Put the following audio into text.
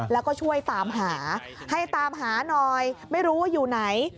แล้วก็ช่วยตามหาให้ตามหาหน่อยไม่รู้ว่าอยู่ไหน